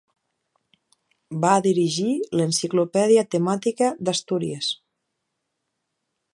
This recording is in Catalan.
Va dirigir l'Enciclopèdia Temàtica d'Astúries.